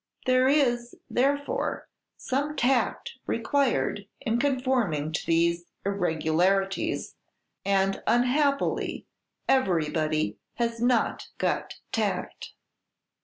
There is, therefore, some tact required in conforming to these 'irregularities,' and unhappily everybody has not got tact.